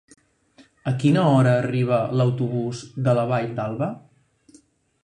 A quina hora arriba l'autobús de la Vall d'Alba?